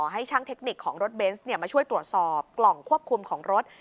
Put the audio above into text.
ให้ช่างเทคนิคของรถเบนส์มาช่วยตรวจสอบกล่องควบคุมของรถ